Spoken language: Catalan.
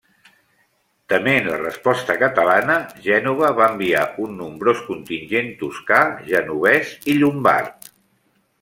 Tement la resposta catalana, Gènova va enviar un nombrós contingent toscà, genovès i llombard.